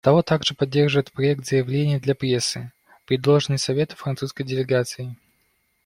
Того также поддерживает проект заявления для прессы, предложенный Совету французской делегацией.